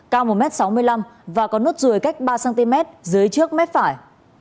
cao một m sáu mươi năm và có nốt ruồi cách ba cm dưới trước mép phải